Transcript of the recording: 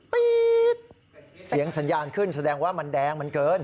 ปี๊ดเสียงสัญญาณขึ้นแสดงว่ามันแดงมันเกิน